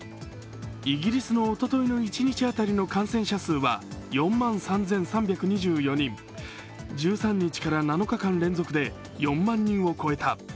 イギリスのおとといの一日当たりの感染者数は４万３３２４人、１３日から７日間連続で４万人を超えた。